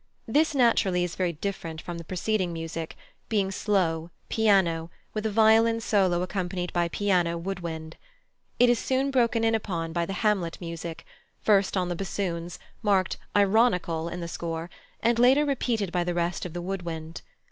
This, naturally, is very different from the preceding music, being slow, piano, with a violin solo accompanied by piano wood wind. It is soon broken in upon by the Hamlet music, first on the bassoons, marked "ironical" in the score, and later repeated by the rest of the wood wind.